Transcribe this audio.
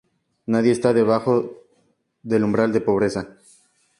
Nadie está por debajo del umbral de pobreza.